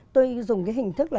tôi dùng cái hình thức là